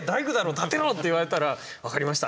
建てろ！」って言われたら「分かりました。